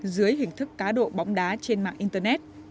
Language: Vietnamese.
dưới hình thức cá độ bóng đá trên mạng internet